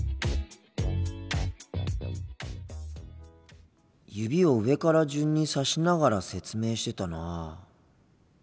心の声指を上から順に指しながら説明してたな。